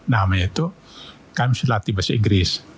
namanya itu kami sudah latih bahasa inggris